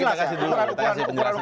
kita kasih dulu